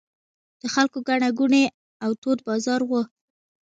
د خلکو ګڼه ګوڼې او تود بازار و.